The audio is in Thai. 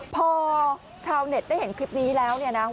พอชาวเน็ตได้เห็นคลิปนี้แล้วเนี่ยนะ